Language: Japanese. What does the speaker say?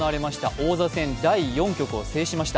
王座戦の第４局を制しました。